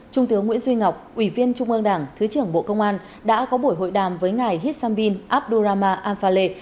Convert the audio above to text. trung tướng nguyễn duy ngọc ủy viên trung ương đảng thứ trưởng bộ công an đã có buổi hội đàm với ngài hít sam bin abdurrahma al faleh